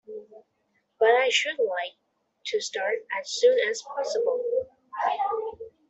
But I should like to start as soon as possible.